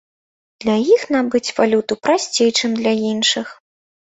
Для іх набыць валюту прасцей, чым для іншых.